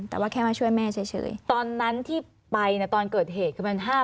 แต่ว่าแค่มาช่วยแม่เฉยตอนนั้นที่ไปนะตอนเกิดเหตุคือ๑๕๕๘